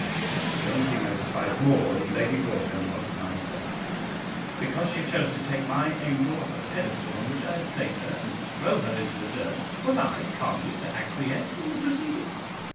The only being I despised more than Lady Broadhem was myself; because she chose to take my angel off the pedestal on which I had placed her and throw her into the dirt, was I calmly to acquiesce in the proceeding?